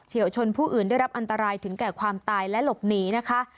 วชนผู้อื่นได้รับอันตรายถึงแก่ความตายและหลบหนีนะคะ